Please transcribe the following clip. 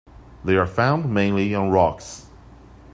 They are found mainly on rocks.